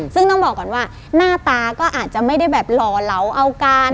ซึ่งต้องบอกก่อนว่าหน้าตาก็อาจจะไม่ได้แบบหล่อเหลาเอาการ